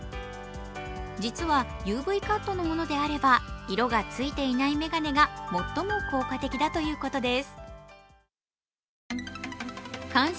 実はＵＶカットのものであれば色がついていない眼鏡が最も効果的だということです。